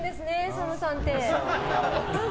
ＳＡＭさんって。